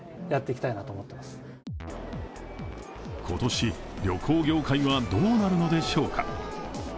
今年、旅行業界はどうなるのでしょうか。